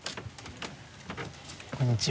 こんにちは。